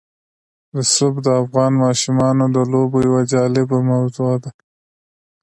رسوب د افغان ماشومانو د لوبو یوه جالبه موضوع ده.